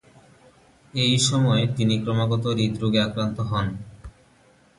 এই সময় তিনি ক্রমাগত হৃদরোগে আক্রান্ত হন।